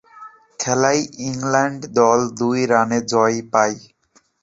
খেলায় ইংল্যান্ড দল দুই রানে জয় পায়।